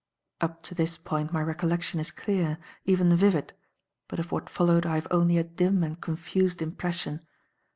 Up to this point my recollection is clear, even vivid, but of what followed I have only a dim and confused impression.